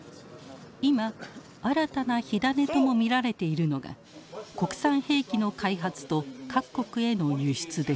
今新たな火種とも見られているのが国産兵器の開発と各国への輸出です。